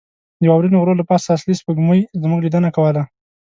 د واورینو غرو له پاسه اصلي سپوږمۍ زموږ لیدنه کوله.